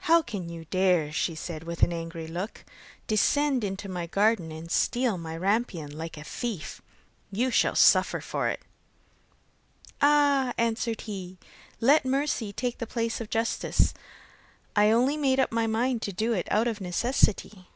'How can you dare,' said she with angry look, 'descend into my garden and steal my rampion like a thief? You shall suffer for it!' 'Ah,' answered he, 'let mercy take the place of justice, I only made up my mind to do it out of necessity.